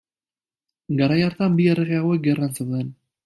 Garai hartan, bi errege hauek gerran zeuden.